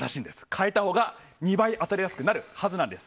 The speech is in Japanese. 変えたほうが２倍当たりやすくなるはずなんです。